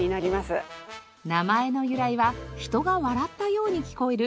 名前の由来は人が笑ったように聞こえる